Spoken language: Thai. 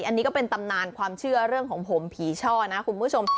อันนี้ก็เป็นตำนานความเชื่อเรื่องของผมผีช่อนะคุณผู้ชม